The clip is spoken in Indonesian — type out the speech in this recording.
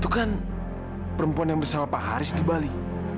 karena gue bukan lo